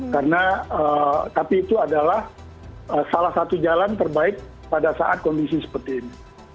karena tapi itu adalah salah satu jalan terbaik pada saat kondisi seperti ini